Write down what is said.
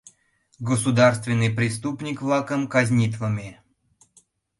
Государственный преступник-влакым казнитлыме!